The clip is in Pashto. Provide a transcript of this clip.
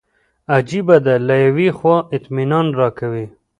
عجیبه ده له یوې خوا اطمینان راکوي.